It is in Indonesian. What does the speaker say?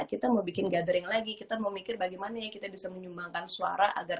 kita mau bikin gathering lagi kita mau mikir bagaimana kita bisa menyumbangkan suara agar